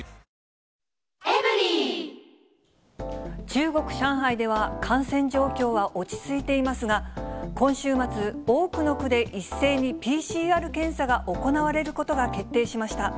中国・上海では、感染状況は落ち着いていますが、今週末、多くの区で一斉に、ＰＣＲ検査が行われることが決定しました。